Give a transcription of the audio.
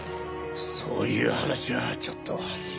そういう話はちょっと。